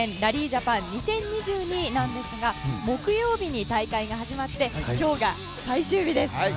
ジャパン２０２２ですが木曜日に大会が始まって今日が最終日です。